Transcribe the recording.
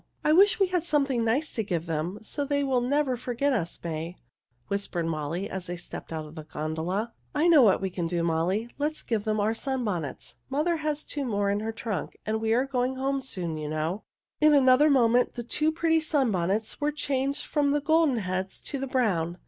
"I wish we had something nice to give them, so they will never forget us, May," whispered Molly, as they stepped out of the gondola. [Illustration: Anita and Maria liked to ride in their father's gondola] "I know what we can do, Molly. Let's give them our sunbonnets. Mother has two more in her trunk, and we are going home soon, you know." In another moment the two pretty sunbonnets were changed from the golden heads to the brown.